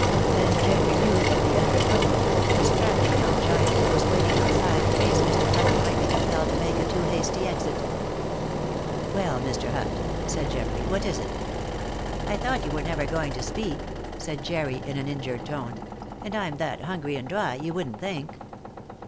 Then Geoffrey knew that the under footman a strapping young giant was waiting outside in case Mr. Hutt might be compelled to make a too hasty exit. "Well, Mr. Hutt," said Geoffrey, "what is it?" "I thought you were never going to speak," said Jerry, in an injured tone, "and I'm that hungry and dry, you wouldn't think!"